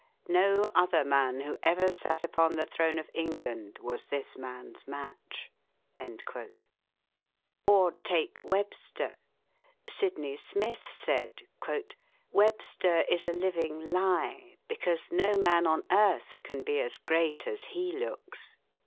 No other man who ever sat upon the throne of England was this man's match." Or, take Webster. Sydney Smith said: "Webster is a living lie; because no man on earth can be as great as he looks."